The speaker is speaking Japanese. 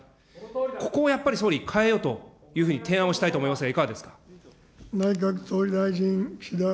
ここをやっぱり総理、変えようというふうに提案をしたいと思いますが、いかがですか。